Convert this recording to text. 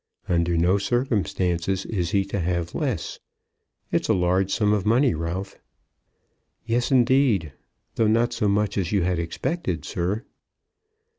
Under no circumstances is he to have less. It's a large sum of money, Ralph." "Yes, indeed; though not so much as you had expected, sir."